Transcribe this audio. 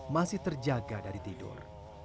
masih terjaga dari tidur